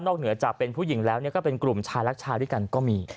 เหนือจากเป็นผู้หญิงแล้วก็เป็นกลุ่มชายรักชายด้วยกันก็มี